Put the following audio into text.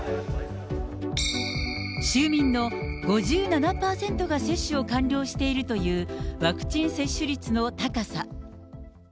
州民の５７％が接種を完了しているというワクチン接種率の高さ。